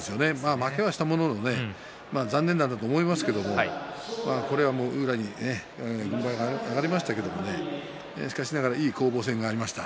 負けはしましたけれども残念でしたけれどもこれは宇良に軍配が上がりましたけれどしかしながらいい攻防戦がありました。